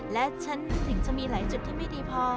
และฉันถึงจะมีหลายจุดที่ไม่ดีพอ